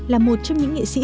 là một trong những nghệ sĩ